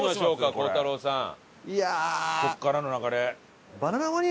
ここからの流れ。